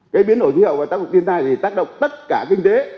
cái biến đổi thiên tai và tác động thiên tai thì tác động tất cả kinh tế